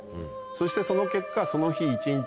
そしてその結果その日一日